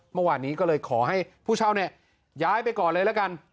เมื่อวานนี้ก็เลยขอให้ผู้เช่าเนี่ยย้ายไปก่อนเลยละกัน